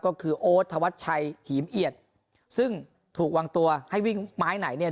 ก็คือโอ๊ตธวัชชัยหีมเอียดซึ่งถูกวางตัวให้วิ่งไม้ไหนเนี่ย